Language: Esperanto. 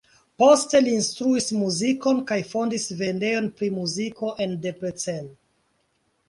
Poste li instruis muzikon kaj fondis vendejon pri muziko en Debrecen.